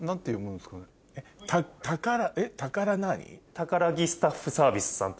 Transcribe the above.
宝木スタッフサービスさん。